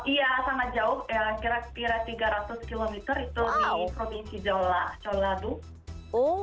iya sangat jauh kira kira tiga ratus km itu di provinsi jeolla jeolla do